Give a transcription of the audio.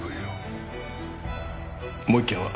もう一件は？